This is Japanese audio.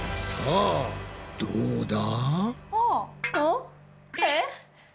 さあどうだ？